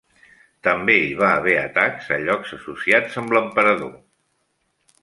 També hi va haver atacs a llocs associats amb l'emperador.